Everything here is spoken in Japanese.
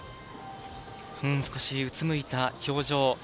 少しうつむいた表情。